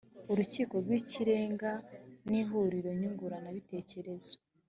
urukiko rw ikirenga n ihuriro nyunguranabitekerezo